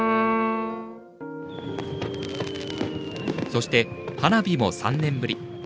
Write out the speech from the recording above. そして、花火も３年ぶり。